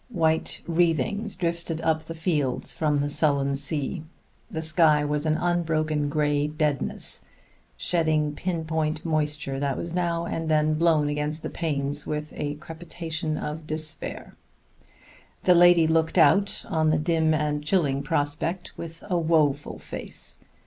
White wreathings drifted up the fields from the sullen sea; the sky was an unbroken gray deadness shedding pin point moisture that was now and then blown against the panes with a crepitation of despair. The lady looked out on the dim and chilling prospect with a woeful face.